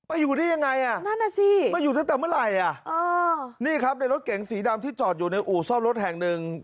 อยู่ได้ยังไงอ่ะนั่นน่ะสิมาอยู่ตั้งแต่เมื่อไหร่อ่ะนี่ครับในรถเก๋งสีดำที่จอดอยู่ในอู่ซ่อมรถแห่งหนึ่ง